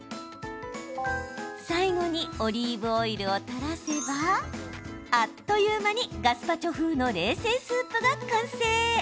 最後にオリーブオイルを垂らせばあっという間にガスパチョ風の冷製スープが完成。